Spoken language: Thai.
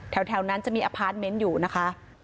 แถวนั้นจะมีอพาร์ทเมนต์อยู่นะคะ